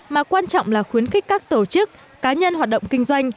mà quan trọng là khuyến khích các tổ chức cá nhân hoạt động kinh doanh